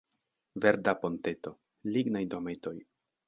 Verda ponteto, lignaj dometoj.